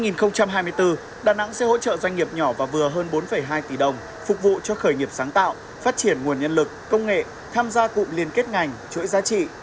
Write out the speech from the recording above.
năm hai nghìn hai mươi bốn đà nẵng sẽ hỗ trợ doanh nghiệp nhỏ và vừa hơn bốn hai tỷ đồng phục vụ cho khởi nghiệp sáng tạo phát triển nguồn nhân lực công nghệ tham gia cụm liên kết ngành chuỗi giá trị